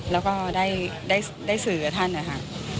แล้วก็ได้สื่อกับท่านนะคะ